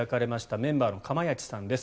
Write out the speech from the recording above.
メンバーの釜萢さんです。